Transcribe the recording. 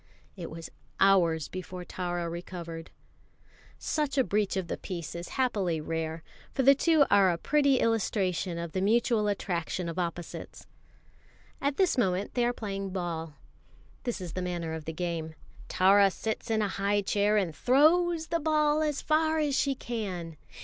It was hours before Tara recovered. Such a breach of the peace is happily rare; for the two are a pretty illustration of the mutual attraction of opposites. At this moment they are playing ball. This is the manner of the game: Tara sits in a high chair and throws the ball as far as she can.